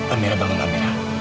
amira bangun amira